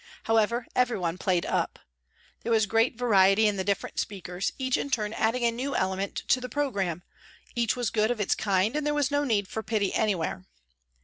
How ever, everyone played up. There was great variety in the different speakers, each in turn adding a new element to the programme, each was good of its kind and there was no need for pity anywhere.